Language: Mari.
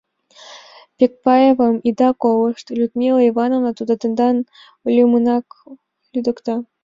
— Пекпаевым ида колышт, Людмила Ивановна.Тудо тендам лӱмынак лӱдыкта!